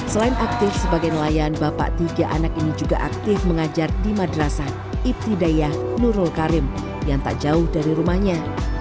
selain aktif sebagai nelayan bapak tiga anak ini juga aktif mengajar di madrasah ibtidayah nurul karim yang tak jauh dari rumahnya